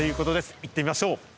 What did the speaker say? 行ってみましょう。